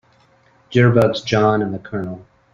Jitterbugs JOHN and the COLONEL.